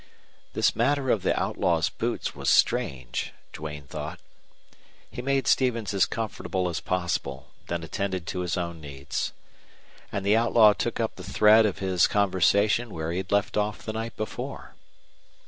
This matter of the outlaw's boots was strange, Duane thought. He made Stevens as comfortable as possible, then attended to his own needs. And the outlaw took up the thread of his conversation where he had left off the night before.